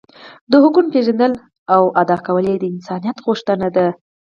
د حقونو پیژندل او ادا کول د انسانیت غوښتنه ده.